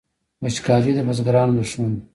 وچکالي د بزګرانو دښمن ده